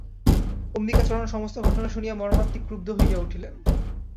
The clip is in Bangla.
অম্বিকাচরণ সমস্ত ঘটনা শুনিয়া মর্মান্তিক ক্রুদ্ধ হইয়া উঠিলেন।